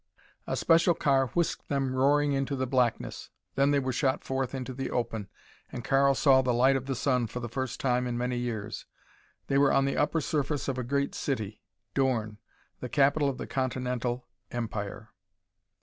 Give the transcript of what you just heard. A special car whisked them roaring into the blackness. Then they were shot forth into the open and Karl saw the light of the sun for the first time in many years. They were on the upper surface of a great city, Dorn, the capital of the Continental Empire.